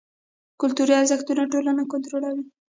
کلتوري ارزښتونه ټولنه کنټرولوي.